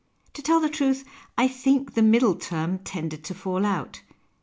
To tell the truth, I think the middle term tended to fall out.